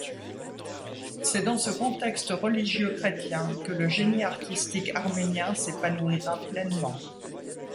C'est dans ce contexte religieux chrétien que le génie artistique arménien s'épanouira pleinement.